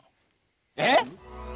えっ！？